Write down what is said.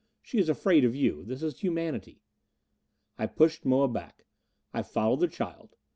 "She is afraid of you. This is humanity." I pushed Moa back. I followed the child.